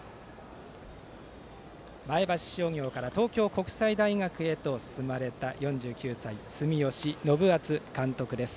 前橋商業から東京国際大学へと進まれた４９歳、住吉信篤監督です。